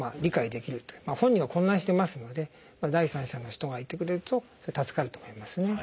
本人は混乱してますので第三者の人がいてくれると助かると思いますね。